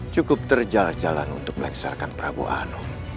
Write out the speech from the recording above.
cukup terjalan jalan untuk melengsarkan prabu anung